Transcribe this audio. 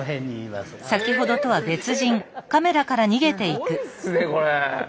すごいっすねこれ。